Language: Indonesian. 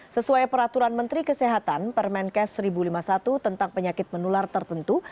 sesuai peraturan menteri kesehatan permenkes seribu lima puluh satu tentang penyakit menular tertentu